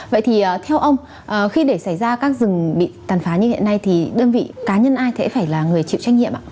vậy thì theo ông khi để xảy ra các rừng bị tàn phá như hiện nay thì đơn vị cá nhân ai sẽ phải là người chịu trách nhiệm ạ